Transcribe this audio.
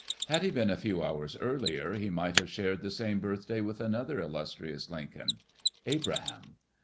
Had he been a few hours earlier, he might have shared the same birthday with another illustri ous Lincoln, Abraham.